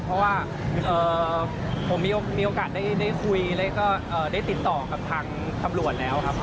เพราะว่าผมมีโอกาสได้คุยแล้วก็ได้ติดต่อกับทางตำรวจแล้วครับ